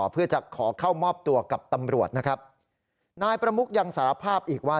เพื่อจะขอเข้ามอบตัวกับตำรวจนะครับนายประมุกยังสารภาพอีกว่า